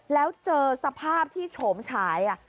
แล้วเจอสภาพที่โฉมฉาย